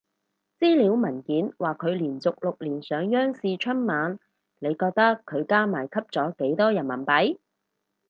資料文件話佢連續六年上央視春晚，你覺得佢加埋吸咗幾多人民幣？